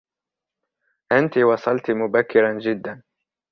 أنتِ وصلتِ مبكراً جداً.